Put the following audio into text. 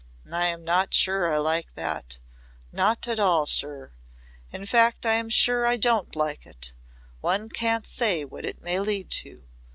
"I am not sure I like that not at all sure. In fact I'm sure I don't like it. One can't say what it may lead to.